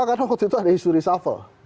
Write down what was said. karena waktu itu ada isu risafel